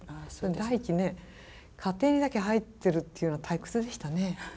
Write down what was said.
第一家庭にだけ入ってるっていうのは退屈でしたね。